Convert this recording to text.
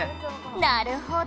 「なるほど。